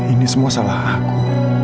ini semua salah aku